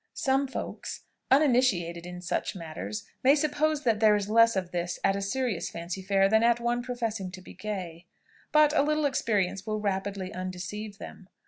Some folks, uninitiated in such matters, may suppose that there is less of this at a serious fancy fair than at one professing to be gay. But a little experience will rapidly undeceive them.